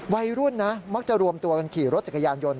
วัยรุ่นนะมักจะรวมตัวกันขี่รถจักรยานยนต